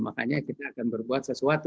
makanya kita akan berbuat sesuatu